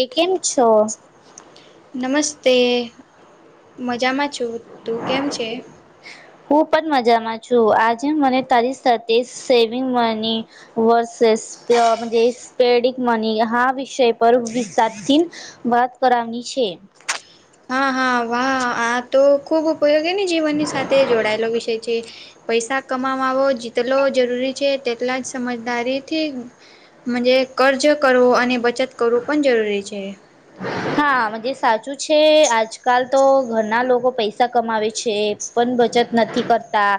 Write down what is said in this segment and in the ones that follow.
એ કેમ છો. નમસ્તે મજામાં છું તું કેમ છે હું પણ મજામાં છું આજે મને તારી સાથે saving money. Versus spending money હા વિષય પર વિાર. વાત કરવાની છે. હા હા વાહ આ તો ખુબ ઉપયોગી ને જીવનની સાથે જોડાયેલો વિષય છે. પૈસા કમાવા આવો જેટલો જરૂરી છે તેટલા જ સમજદારીથી. જ કર્જ કરવો અને બચત કરવું પણ જરૂરી છે. હા સાચું છે આજકાલ તો ઘરના લોકો પૈસા. પૈસા કમાવે છે પણ બચત નથી કરતા.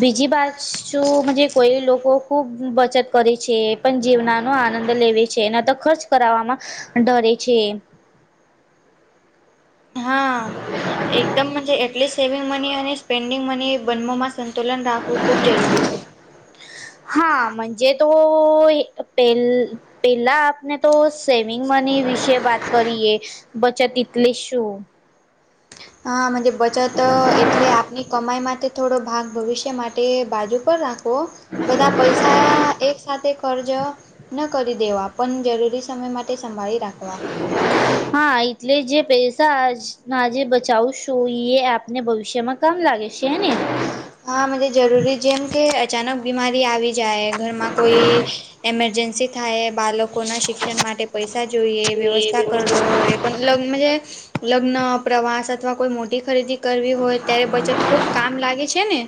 બીજી બાજ શું કોઈ લોકો. ખૂબ બચત કરે છે એ પણ જીવનાનો આનંદ લેવી છે ન તો ખર્ચ કરાવવામાં ડરે છે. હા એકદમ એટલીસ્ટ સેવિંગ મની અને સ્પેન્ડિંગ મની બનમાં સંતુલન રાખવું ખૂબ જરૂરી છે. હાજે તો પે પેલા. આપને તો સેવિંગ મની વિશે વાત કરીએ બચત એટલે શું. હ બચત એટલે આપની કમાઈ માટે. થોડો ભાગ ભવિષ્ય માટે બાજુ પર રાખો બધા પૈસા એક સાથે. ફર્જ ન કરી દેવા પણ જરૂરી સમય માટે સંભાળી રાખવા. હા એટલે જે પૈસાજે બચાવશું એ આપને ભવિષ્યમાં. કમ લાગે છેને હા મજ જરૂરી જેમ કે અચાનક બીમારી આવી જાય ઘરમાં કોઈ એમરજન્સી થાય બાળકોના શિક્ષણ માટે પૈસા જોઈએ વ્યવસ્થા કરવું હોય પન લગ્ન છે પ્રવાસ અથવા કોઈ મોટી ખરીદી કરવી હોય ત્યારે બચત ખૂબ કામ લાગે છે ને?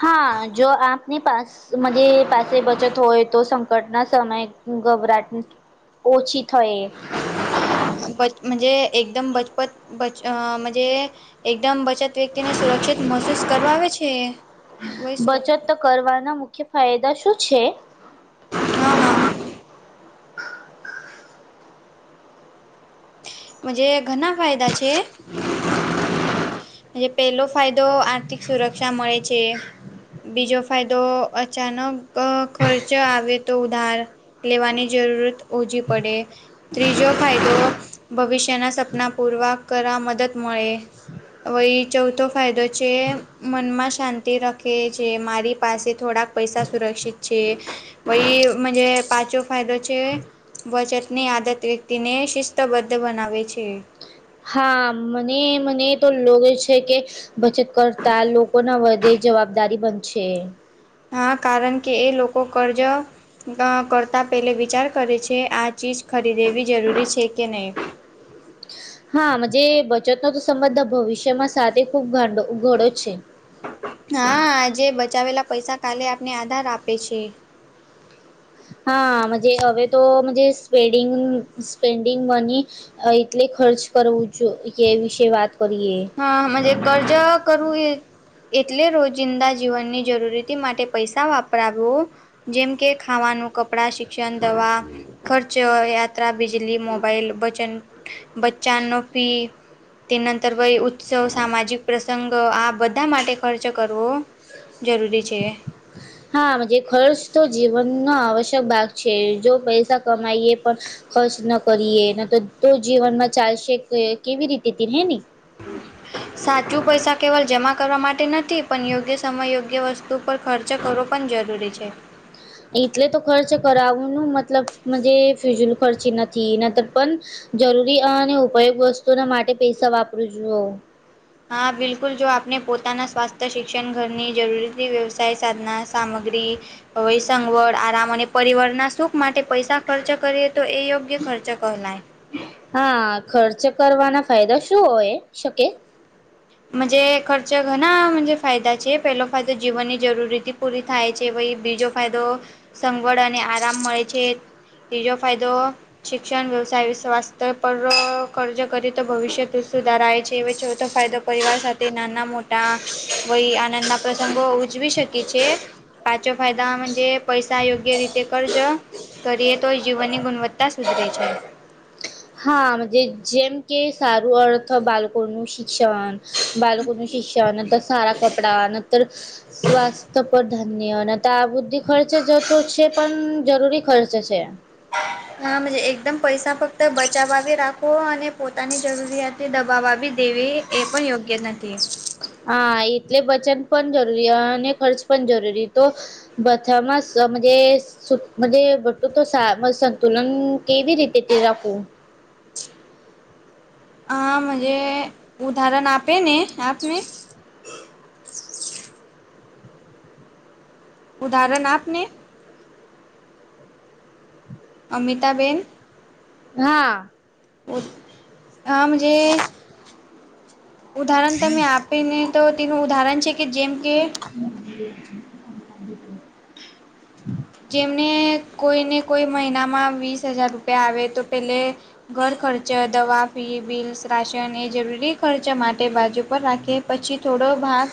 હા જો આપની પાસ જ પસે બચત હોય તો સંકટના સમય ગબરાટ ઓછી થયે. પજ મજે એકદમ બચપત અ મજે એકદમ બચત તો વક્તિને સુરક્ષિત મહેસૂસ કરવા આવે છે વય શું તો કરવાના મુખ્ય ફાયદા શું છે? હા હા મજે ઘણા ફાયદા છે. પેલો ફાયદો આર્થિક સુરક્ષા મળે છે. બીજો ફાયદો અચાનક ખર્ચ આવે તો ઉધાર લેવાની જરૂરત ઓછી પડે ત્રીજો ફાયદો ભવિષ્યના સપના પૂર્વાર કરવા મદદ મળે. હ એ ચૌથો ફાયદો છે મનમાં શાંતિ રાખે જે મારી પાસે થોડાક પૈસા સુરક્ષિત છે વઈ મજે પાંચવો ફાયદો છે. બચતની આદત વ્યક્તિને શિસ્તબદ્ધ બનાવે છે. હા મને મને તો લોગે છે કે બચત કરતા લોકોના વધે જવાબદારી બનશે. હા કારણ કે એ લોકો કર્જ કરતાં પહેલે વિચાર કરે છે આ ચીજ ખરીદેવી જરૂરી છે કે નહીં [unintelligible] હા આજે બચાવેલા પૈસા કાલે આપને આધાર આપે છે. હા મજે હવે તો મજે સ્પેડીંગ સ્પેન્ડિંગ મની એટલે ખર્ચ કરવું જોઈએ એ વિશે વાત કરીએ. હા મજે કરજા કરું એ એટલે રોજિંદા જીવનની જરૂરતી માટે પૈસા વાપરાવવો જેમ કે ખાવાનું કપડા શિક્ષણ દવા ખર્ચ યાત્રા બિજલી મોબાઈલ બચન બચ્ચા નો ફી તે નંતર ભાઈ ઉત્સવ સામાજિક પ્રસંગ આ બધા માટે ખર્ચ કરવો જરૂરી છે. હા મજે ખર્ચ તો જીવનનો આવશ્યક ભાગ છે જો પૈસા કમાઈએ પણ ખર્ચ ન કરીએ તો તો જીવનમાં ચાલશે કેવી રીતે હે ને સાચું પૈસા કેવલ જમા કરવા માટે નથી પણ યોગ્ય સમય યોગ્ય વસ્તુ ઉપર ખર્ચ કરવો પણ જરૂરી છે. એટલે તો ખર્ચ કરવુંનું મતલબ મજે ફ્યઝલ ખર્ચી નથી નતર પણ જરૂરી અને ઉપયોગ વસ્તુઓના માટે પૈસા વાપરું જુ હા બિલકુલ જો આપણે પોતાના સ્વાસ્થ્ય શિક્ષણ ઘરની જરૂર વ્યવસાય સાધના સામગ્રી હવે સંગવડ આરામ અને પરીવરના સુખ માટે પૈસા ખર્ચ કરીએ તો એ કે ખર્ચ કહેલાય હા ખર્ચ કરવાના ફાયદા શું હોય શકે? મજે ખર્ચ ઘણા મજે ફાયદા છે પેલો ફાયદો જીવનની જરૂરીથી પૂરી થાય છે બીજો ફાયદો સગવડ અને આરામ મળે છે ત્રીજો ફાયદો શિક્ષણ વ્યવસાય સ્વાસ્થ્ય પર કર્જ કરી તો ભવિષ્યત સુધાર છે એ ચોથો ફાયદો પરિવાર સાથે નાના મોટા વય આનંદના પ્રસંગો ઉજવી શકે છે પાંચો ફાયદા મજે પૈસા યોગ્ય રીતે કર્જ કરીએ તો જીવનની ગુણવત્તા સુધરે છે. હા જે જેમ કે સારું અર્થ બાળકોનું શિક્ષણ બાલકોણ શિષ્યા નર સારા કપડા નંતર સ્વાસ્થ્ય પર ધન્ય અને તો આ બધી ખર્ચ જતો છે પણ જરૂરી ખર્ચ છે. હા મુજે એકદમ પૈસા ફક્ત બચવા રાખ હો અને પોતાની જરૂરિયાત દબાવાબી દેવી એ પણ યોગ્ય નથી. હા એટલી બચત પણ જરૂરી અને ખર્ચ પણ જરૂરી તો બધા માં સમરે બધે બટું તો સાવ સંતુલન કેવી રીતે તે ફેરવું હા મુજે ઉદાહરણ આપે ને આપને ઉદાહરણ આપને. અમિતાબેન હા. બઉ હા મુજે ઉદાહરણ તમે આપીને તો તેનું ઉદાહરણ છે કે જેમ કે [inaudible] જેમને કોઈને કોઈ મહિનામાં વીસ હજાર રૂપિયા આવે તો પેલે ઘર ખર્ચ દવા ફી બીલ્સ રાશન અને જરૂરી ખર્ચ માટે બાજુ પર રાખી પછી થોડો ભાગ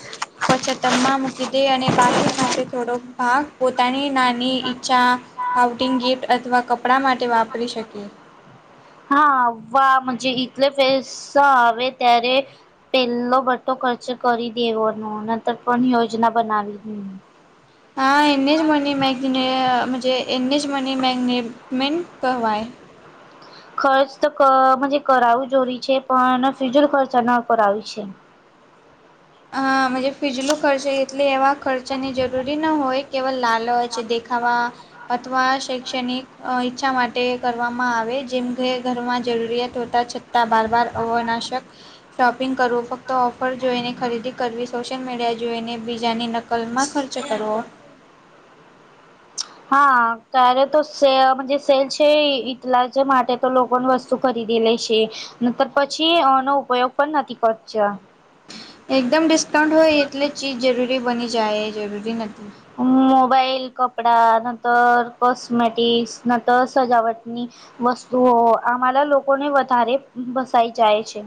પછત માં મૂકી દે અને બાકી માટે થોડો ભાગ પોતાની નાની ની ઈચ્છા ફાઉટિંગ ગિફ્ટ અથવા કપડાં માટે વાપરી શકીએ. હા વા મજે એટલે ફેરે સા આવે ત્યારે પેલો બટો ખર્ચ કરી દેવોનો નંતર પણ યોજના બનાવી હા એન્નેજ મની મેગનેજ એડનેજ મની મેગનેજ મેન્ટ કહેવાય ખર્ચ તો મુજે કરાવું જોરી છે પણ ફિજુલ ખર્ચ ન કરાવી છે. હા મુજે ફીજલું ખર્ચે એટલે એવા ખર્ચની જરૂરી ના હોય કેવલ લાલ હોય છે દેખાવામાં અથવા શૈક્ષણિક ઈચ્છા માટે કરવામાં આવે જેમ કે ઘરમાં જરૂરિયાત હોતા છે. બારબાર અવનાશક શોપિંગ કરવું ફક્ત ઓફર જોઈને ખરીદી કરવી સોશિયલ મીડિયા જોઈને બીજાની નકલમાં ખર્ચ કરવો. હા ત્યારે તો સે સેલ છે ઈટલા જ માટે તો લોકો વસ્તુ કરી દે લે છે નકર પછી અનો ઉપયોગ પણ નથી કરચા એકદમ ડિસ્કાઉન્ટ હોય એટલે ચીજ જરૂરી બની જાય એ જરૂરી નથી. મોબાઈલ કપડા ન તો કોસ્મેેટિકસ ન તો સજાવટની વસ્તુઓ આમાંલા લોકોને વધારે વસાઈ જાય છે.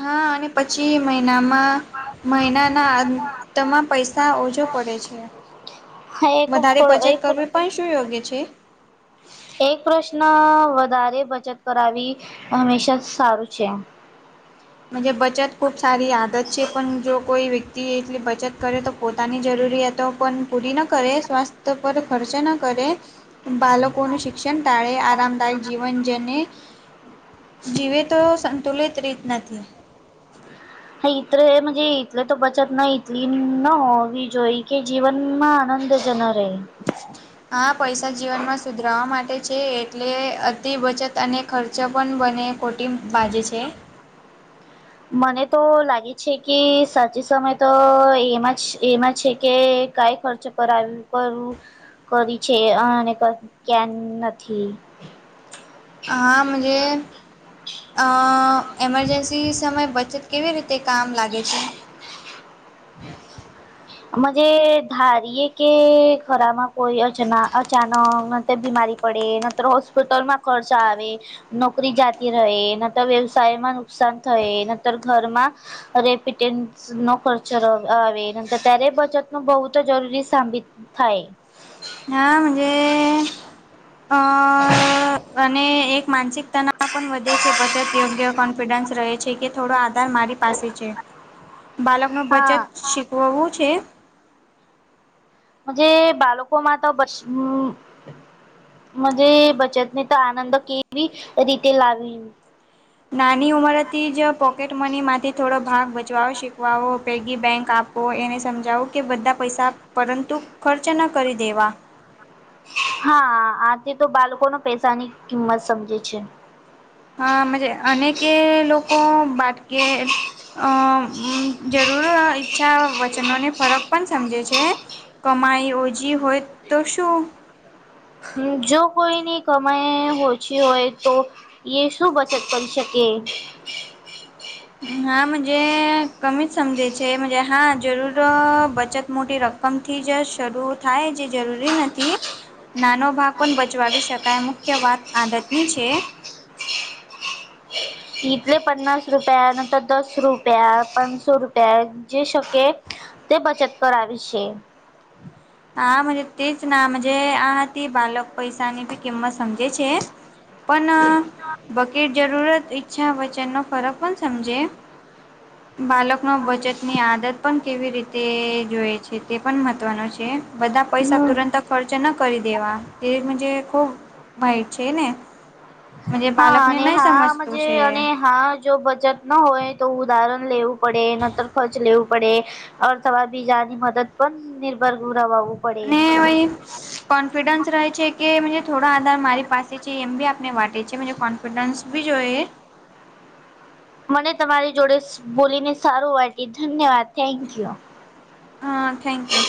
હા અને પછી મહિનામાં મહિનાના અંતમાં પૈસા ઓછો પડે છે. એક વધારે બચત એક કરવી પણ શું યોગ્ય છે. [inaudible] એક પ્રશ્ન વધારે બચત કરાવી હંમેશા સારું છે. બચત ખૂબ સારી આદત છે પણ જો કોઈ વ્ય એટલી બચત કરે તો પોતાની જરૂરિયાતો પણ પૂરી ન કરે સ્વાસ્થ્ય પર ખર્ચ ન કરે. બાળકોનું શિક્ષણ ટાળે આરામદાયક જીવન જને જીવે તો સંતુલિત રીત નથી. હા ઇતરે એટલે તો બચત ના એટલી ન હોવી જોઈ કે જીવન માં આનંદ. જનારે. હા પૈસા જીવનમાં સુધરવા માટે છે એટલે અતિ બચત અને ખર્ચ પણ બને કોટી બાજે છે. મને તો લાગે છે કે સાચી સમય તો એમાં એમાં છે કે કાઈ ખર્ચ કરાવ કરું કરી છે આ ક્યાં નથી. હા મુજે એમરજન્સી સમય બચત કેવી રીતે કામ લાગે છે. [inaudible] આમાં જે ધાર્યે કે ખોરામાં કોઈ અચના અચાનક કસે થી બીમારી. પડે ન તો હોસ્પિટલમાં ખર્ચ આવે નોકરી જાતી રહે ન તો વ્યવસાયમાં પણ. નુકસાન થય નતર ઘરમાં રેપીટેન્સનો પણ. જ આવે નિતો ત્યારે બચત નું બહુ તો જરૂરી સાબિત થાય. હા અને અ અને એક માનસિકતાના. એમાં પણ વધે છે બછત યોગ્ય કોન્ફિડન્સ રહે છે. કે થોડો આધાર મારી પાસે છે બાલક નું બચત હા શીખવવું છે જે બાળકો માં તો બસ હમ. મજે બચત નીતો આનંદ કેવી રીતે લવી. નાની ઉંમરથી જ પોકેટ મની માંથી થોડો ભાગ બચ વાવો શીખવાવો પૈગી બેંક આપો. તો એને સમજાવું કે બધા પૈસા પરંતુ ખર્ચા ન કરી દેવા. હા આથી તો બાળકો ને પૈસાની કિંમત સમજે છે. હાજ આમ જે અને કે લોકો બાટકે. અ જરૂર ઈચ્છા વચનોને ફરક પણ સમજે છે. કમાઈ ઓછી હોય તો શું. જો કોઈ ની કમાઈ ઓછી હોય તો. એ સુ બચત કરીની શકે. આમ જે કમી સમજે છે એમ જે હા જરૂર બચત મોટી રક. રકમ થી જે શરૂ થાય જે જરૂરી નથી. નાનો ભાગ પણ બચવાવી શકાય મુખ્ય વાત આદતની છે. ઈ જે પંચાસ રૂપિયા નંતર દસ રૂપિયા પાંચસો રૂપિયા જે શકે. તે બચત કરાવી છે. હા મતલબ તેજ નામ જે આ તે બાલક પૈસાની બી કિંમત સમજે છે. પણ બકેટ. જરૂરત ઈચ્છા વચનનો ફરક પણ સમજે બાલકો. નો બચતની આદત પણ કેવી રીતે જોઈ છે તે પણ મત્વનો છે બધા પૈસા હમ તુરંત ખર્ચ ન કરી દેવા તે મુજે ખૂબ ભાઈ છે ને. મજે હા બાળકને અને નહી હા સમજતું મજે છે અને હાં. જો બચત ના હોય તો ઉદાહરણ લેવું પડે નતર ખર્ચ લેવું પડે. અથવા બીજાની મદદ પણ નિર્ભર દ રુ રેવું પડે. અને વહી કોન્ફિડન્સ રહે છે કે જે થોડા આધાર મારી પાસે છે એમ બી આપને માટે છે મુજે કોન્ફિડન્સ. બીજો એ. મને તમારી જોડે સ બોલીને સારું વાગ્યું ધન્યવાદ થેન્કયુ. હા થેન્કયુ.